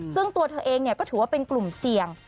ซึ่งตัวเธอเองก็ถือว่าเป็นกลุ่มเสี่ยง